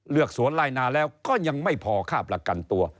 สวนไล่นาแล้วก็ยังไม่พอค่าประกันตัว